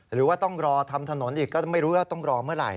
หรือว่าต้องรอทำถนนอีกก็ไม่รู้ว่าต้องรอเมื่อไหร่